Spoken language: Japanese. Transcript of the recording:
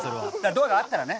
ドアがあったらね。